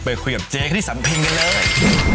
ไปคุยกับเจ๊ที่สำเพงกันเลย